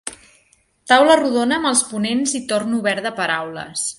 Taula rodona amb els ponents i torn obert de paraules.